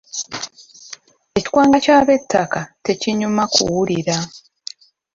Ekikwanga ky'abettaka tekinyuma kuwulira.